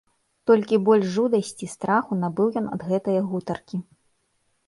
Толькі больш жудасці, страху набыў ён ад гэтае гутаркі.